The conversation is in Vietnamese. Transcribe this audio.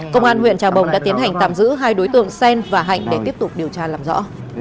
công an huyện trà bồng đã tiến hành tạm giữ hai đối tượng sen và hạnh để tiếp tục điều tra làm rõ